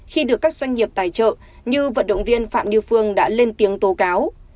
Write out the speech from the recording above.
khi được các doanh nghiệp tài trợ như vận động viên phạm như phương đã lên tiếng tố cáo